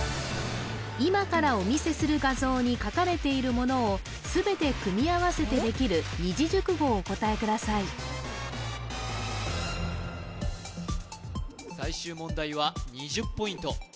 今からお見せする画像に書かれているものを全て組み合わせてできる二字熟語をお答えください最終問題は２０ポイント